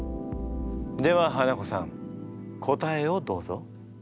ではハナコさん答えをどうぞ。